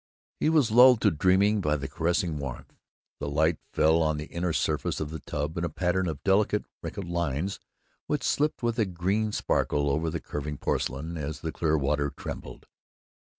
He was lulled to dreaming by the caressing warmth. The light fell on the inner surface of the tub in a pattern of delicate wrinkled lines which slipped with a green sparkle over the curving porcelain as the clear water trembled.